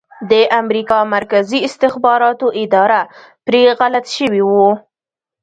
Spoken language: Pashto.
د امریکا مرکزي استخباراتو اداره پرې غلط شوي وو